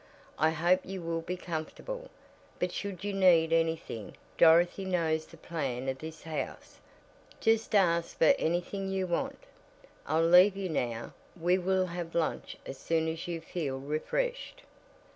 I hope you will be comfortable, but should you need anything Dorothy knows the plan of this house just ask for anything you want. I'll leave you now. We will lunch as soon as you feel refreshed."